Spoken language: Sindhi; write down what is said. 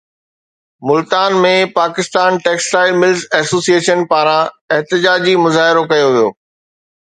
Multan ۾ Pakistan textile mills association پاران احتجاجي مظاهرو ڪيو ويو